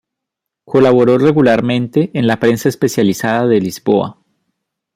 Colaboró regularmente en la prensa especializada de Lisboa.